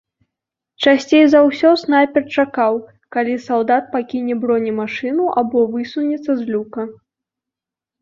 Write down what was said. Часцей за ўсё снайпер чакаў, калі салдат пакіне бронемашыну або высунецца з люка.